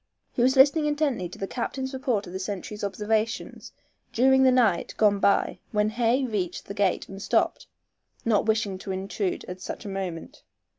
He was listening intently to the captain's report of the sentries' observations during the night gone by when Hay reached the gate and stopped, not wishing to intrude at such a moment.